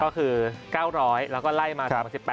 ก็คือ๙๐๐แล้วก็ไล่มา๒๐๑๘